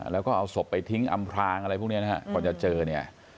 แล้วก็เอาศพไปทิ้งอำพลางอะไรพวกนี้นะฮะก่อนจะเจอเนี่ย